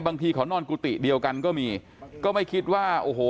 บางทีเขานอนกุฏิเดียวกันก็มีก็ไม่คิดว่าโอ้โห